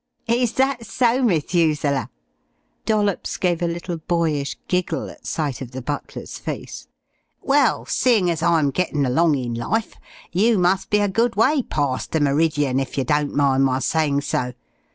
"Is that so, Methuselah?" Dollops gave a little boyish giggle at sight of the butler's face. "Well, seein' as I'm gettin' along in life, you must be a good way parst the meridian, if yer don't mind my sayin' so....